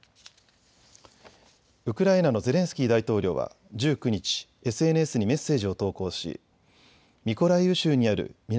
ウクライナのゼレンスキー大統領は１９日、ＳＮＳにメッセージを投稿し、ミコライウ州にある南